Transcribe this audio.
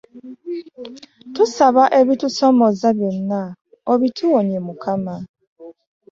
Tusaba ebitusoomooza byonna obituwonye Mukama.